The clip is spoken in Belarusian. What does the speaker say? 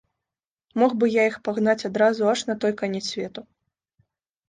Мог бы я іх пагнаць адразу аж на той канец свету.